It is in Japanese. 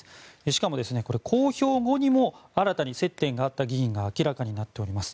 しかも、公表後にも新たに接点があった議員が明らかになっております。